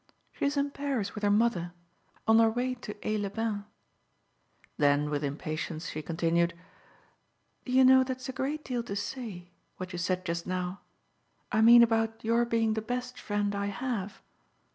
"She's in Paris with her mother on their way to Aix les Bains." Then with impatience she continued: "Do you know that's a great deal to say what you said just now? I mean about your being the best friend I have."